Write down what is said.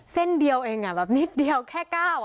เส้นเดียวเองแค่เก้า